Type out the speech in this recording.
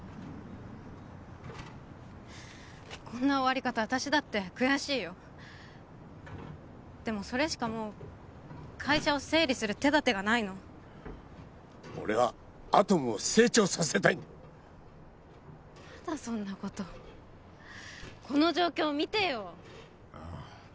こんな終わり方私だって悔しいよでもそれしかもう会社を整理する手だてがないの俺はアトムを成長させたいんだまだそんなことこの状況見てよああ